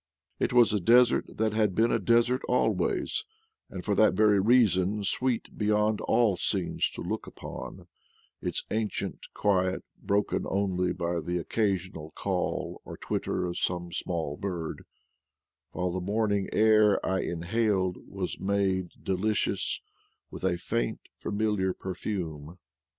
It was a desert that had been a desert always, and for that very reason sweet beyond all scenes to look upon, its ancient quiet broken only by the occasional call or twitter of some small bird, while the morning air I inhaled was made delicious with a faint familiar perfume.